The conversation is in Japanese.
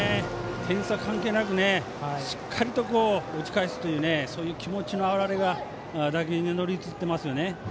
点差関係なくしっかりと打ち返すというそういう気持ちの表れが打撃に乗り移ってますよね。